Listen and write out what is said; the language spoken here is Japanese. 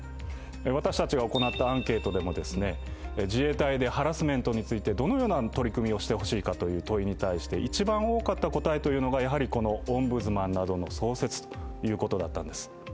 私たちが行ったアンケートでも自衛隊でハラスメントについてどのような取り組みをしてほしいのかという問いに対して一番多かった答えがやはりオンブズマンの創設という答えだったんです。